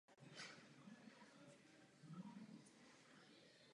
Nastěhovala se k němu a začala znovu chodit do školy.